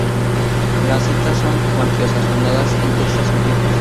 Las citas son cuantiosas, fundadas en textos antiguos.